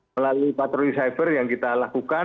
melalui patroli cyber yang kita lakukan